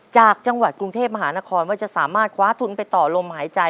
จากจังหวัดกรุงเทพมหานครว่าจะสามารถคว้าทุนไปต่อลมหายใจ